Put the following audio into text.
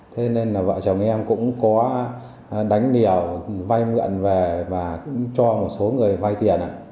thế nên là vợ chồng em cũng có đánh điểu vay mượn về và cũng cho một số người vay tiền